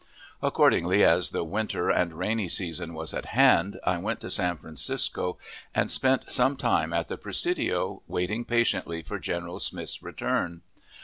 Accordingly, as the winter and rainy season was at hand, I went to San Francisco, and spent some time at the Presidio, waiting patiently for General Smith's return.